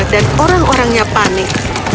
dan orang orangnya panik